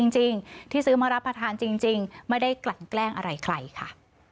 จริงที่ซื้อมารับประทานจริงไม่ได้กลั่นแกล้งอะไรใครค่ะ